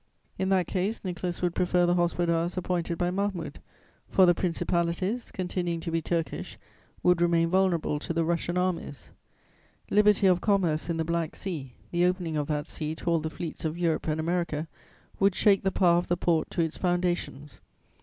"In that case, Nicholas would prefer the hospodars appointed by Mahmud, for the principalities, continuing to be Turkish, would remain vulnerable to the Russian armies. [Sidenote: On Eastern affairs: part I.] "Liberty of commerce in the Black Sea, the opening of that sea to all the fleets of Europe and America would shake the power of the Porte to its foundations.